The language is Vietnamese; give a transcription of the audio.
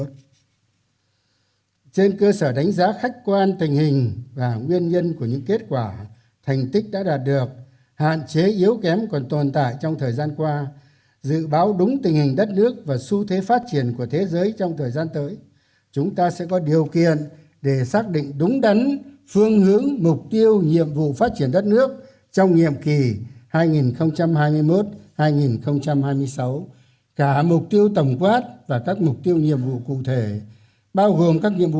trên cơ sở đánh giá khách quan tình hình và nguyên nhân của những kết quả thành tích đã đạt được hạn chế yếu kém còn tồn tại trong thời gian qua dự báo đúng tình hình đất nước và xu thế phát triển của thế giới trong thời gian tới chúng ta sẽ có điều kiện để xác định đúng đắn phương hướng mục tiêu nhiệm vụ phát triển đất nước trong nhiệm kỳ hai nghìn hai mươi một hai nghìn hai mươi sáu cả mục tiêu tổng quát và các mục tiêu nhiệm vụ cụ thể